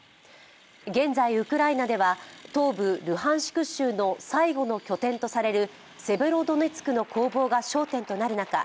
現在、ウクライナでは東部ルハンシク州の最後の拠点とされるセベロドネツクの攻防が焦点となる中